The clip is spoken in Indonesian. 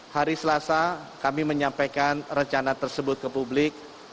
hari selasa kami menyampaikan rencana tersebut ke publik